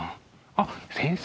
あっ先生。